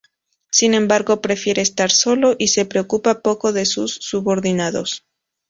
Sin embargo, prefiere estar solo y se preocupa poco de sus subordinados.